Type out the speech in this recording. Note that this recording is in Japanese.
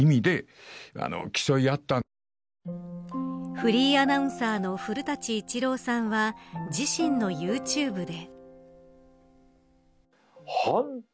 フリーアナウンサーの古舘伊知郎さんは自身のユーチューブで。